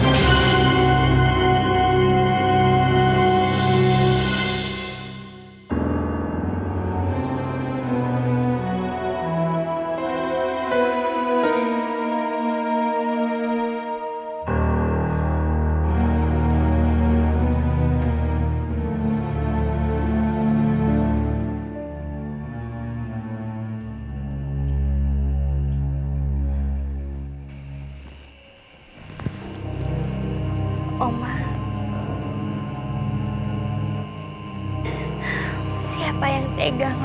jangan lupa janji kamu